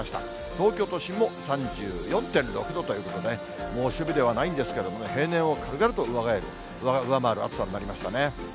東京都心も３４．６度ということでね、猛暑日ではないんですけれどもね、平年を軽々と上回る暑さになりましたね。